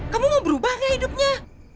kamu mau berubah gak hidupnya